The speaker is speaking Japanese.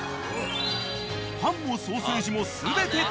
［パンもソーセージも全て手作り］